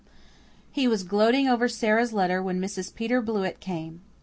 He was gloating over Sara's letter when Mrs. Peter Blewett came.